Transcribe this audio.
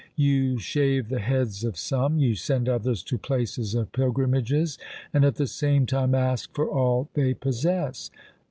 You shave the heads of some, you send others to places of pilgrimages, and at the same time ask for all they possess.